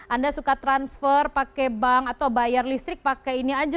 anda suka transfer pakai bank atau bayar listrik pakai ini aja